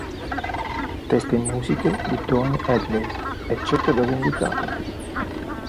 Testi e musiche di Tony Hadley, eccetto dove indicato.